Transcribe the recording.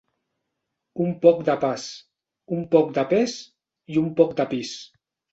Un poc de pas, un poc de pes i un poc de pis.